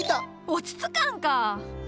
落ち着かんか！